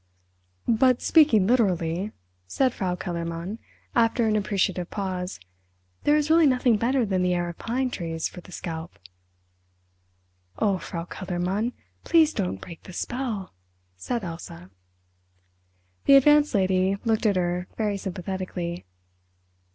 "But speaking literally," said Frau Kellermann, after an appreciative pause, "there is really nothing better than the air of pine trees for the scalp." "Oh, Frau Kellermann, please don't break the spell," said Elsa. The Advanced Lady looked at her very sympathetically.